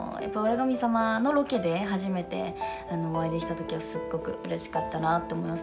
神様のロケで初めてお会いできたときには、すごくうれしかったなと思います。